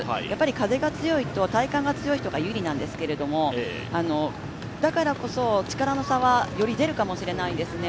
風が強いと体幹が強い人が有利なんですけど、だからこそ力の差は、より出るかもしれないんですね。